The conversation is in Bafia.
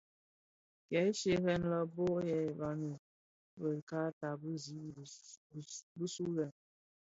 Kè shyeren lè bō yè banbani bë kaata bë zi bisulè.